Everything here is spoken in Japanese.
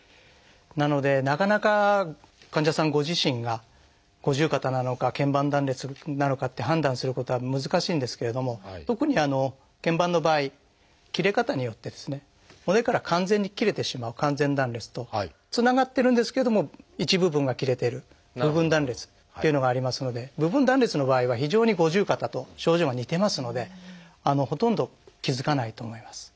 なのでなかなか患者さんご自身が五十肩なのか腱板断裂なのかって判断することは難しいんですけれども特に腱板の場合切れ方によってですね骨から完全に切れてしまう「完全断裂」とつながってるんですけれども一部分が切れてる「部分断裂」っていうのがありますので部分断裂の場合は非常に五十肩と症状が似てますのでほとんど気付かないと思います。